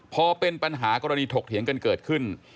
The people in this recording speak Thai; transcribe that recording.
พอเป็นปัญหากรณีถกเถียงกันเกิดขึ้น